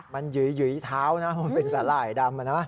มันหยืยท้าวเป็นสารายดำน่ะ